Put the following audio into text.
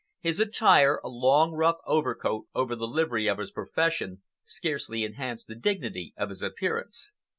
His attire—a long rough overcoat over the livery of his profession—scarcely enhanced the dignity of his appearance.